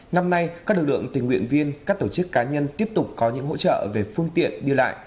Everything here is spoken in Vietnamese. năm nay các lực lượng tình nguyện viên các tổ chức cá nhân tiếp tục có những hỗ trợ về phương tiện đi lại